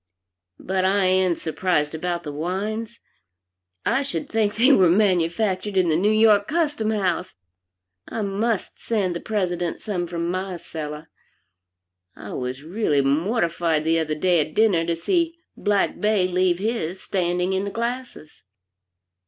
But I am surprised about the wines. I should think they were manufactured in the New York Custom House. I must send the President some from my cellar. I was really mortified the other day at dinner to see Blacque Bey leave his standing in the glasses."